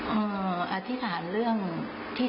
แม่ก็ไปอธิษฐานขอให้ขายได้